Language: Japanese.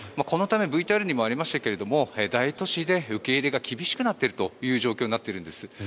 このためＶＴＲにもありましたが大都市で受け入れが厳しくなっているという状況になっているんです。